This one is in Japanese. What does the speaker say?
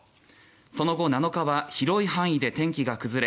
その後７日は広い範囲で天気が崩れ